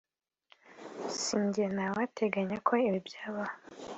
si njye ntawateganya ko ibi byabaho(…)